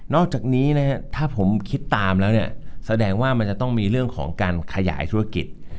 อกจากนี้นะครับถ้าผมคิดตามแล้วเนี่ยแสดงว่ามันจะต้องมีเรื่องของการขยายธุรกิจ